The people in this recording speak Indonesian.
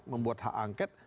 membuat hak angket